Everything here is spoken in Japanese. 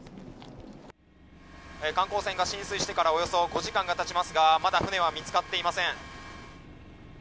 観光船が浸水してからおよそ５時間が経ちますがまだ船は見つかっていません。